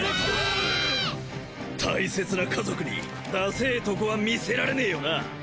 大切な家族にダセェとこは見せられねぇよな？